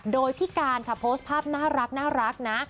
โดยพี่การค่ะโพสต์ภาพน่ารักนะ